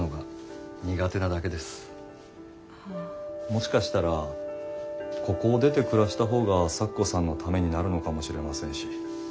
もしかしたらここを出て暮らした方が咲子さんのためになるのかもしれませんし。